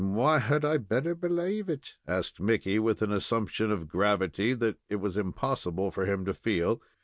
"Why had I better belave it?" asked Mickey, with an assumption of gravity that it was impossible for him to feel.